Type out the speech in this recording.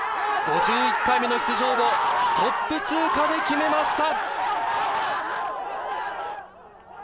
５１回目の出場のトップ通過で決めました。